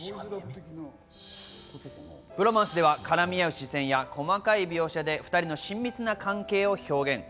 ブロマンスでは絡み合う視線や細かい描写で２人の親密な関係を表現。